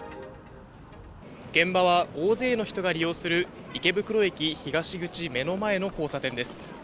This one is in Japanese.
現場は大勢の人が利用する、池袋駅東口目の前の交差点です。